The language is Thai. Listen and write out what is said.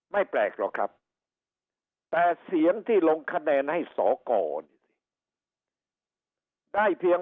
ไม่แปลกหรอกครับแต่เสียงที่ลงคะแนนให้สอก่อน